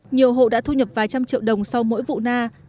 nhiều hộ đã thu nhập vài trăm triệu đồng sau mỗi vụ na